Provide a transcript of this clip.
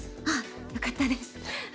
ああよかったです。